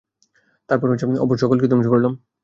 তারপর অপর সকলকে ধ্বংস করলাম।